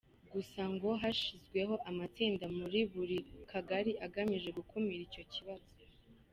Gusa ngo hashyizweho amatsinda muri buri kagari agamije gukumira icyo kibazo.